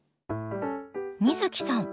美月さん